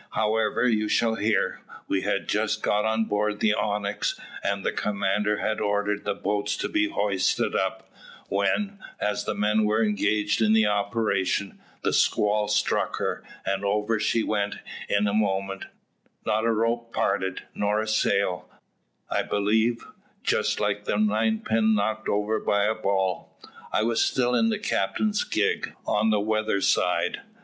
However, you shall hear. We had just got on board the Onyx, and the commander had ordered the boats to be hoisted up, when, as the men were engaged in the operation, the squall struck her, and over she went in a moment not a rope parted, nor a sail, I believe just like a nine pin knocked over by a ball. I was still in the captain's gig on the weather side.